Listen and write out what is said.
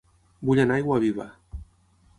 Vull anar a Aiguaviva